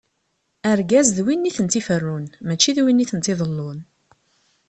Argaz, d win i tent-iferrun, mačči d win i tent-iḍellun.